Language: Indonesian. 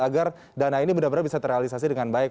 agar dana ini mudah mudahan bisa terrealisasi dengan baik